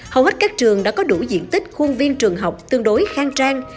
hầu hết các trường đã có đủ diện tích khuôn viên trường học tương đối khang trang